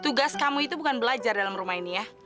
tugas kamu itu bukan belajar dalam rumah ini ya